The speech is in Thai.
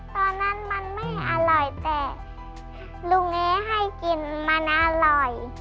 ตอนนั้นมันไม่อร่อยแต่ลุงเอ๊ให้กินมันอร่อย